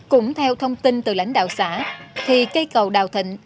cũng theo thông tin từ lãnh đạo xã thì cây cầu đào thịnh